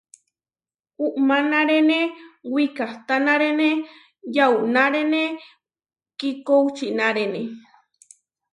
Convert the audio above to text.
Umánarene wikahtánarene yaunárene kikočinaréne.